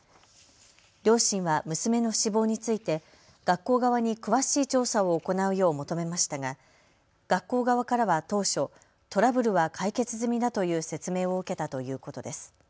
両親は娘の死亡について学校側に詳しい調査を行うよう求めましたが学校側からは当初、トラブルは解決済みだという説明を受けたということです。